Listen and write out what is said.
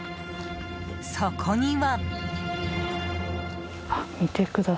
そこには。